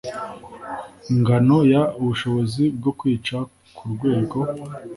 Ngano y ubushobozi bwo kwica ku rwego